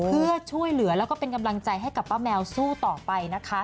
เพื่อช่วยเหลือแล้วก็เป็นกำลังใจให้กับป้าแมวสู้ต่อไปนะคะ